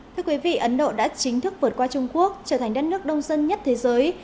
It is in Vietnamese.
thưa quý vị ấn độ đã chính thức vượt qua trung quốc trở thành đất nước đông dân nhất thế giới